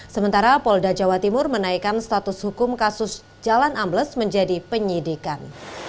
sementara polda jawa timur menaikkan status hukum kasus jalan ambles menjadi penyidikan